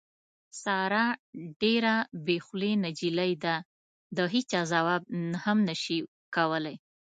ساره ډېره بې خولې نجیلۍ ده، د هېچا ځواب هم نشي کولی.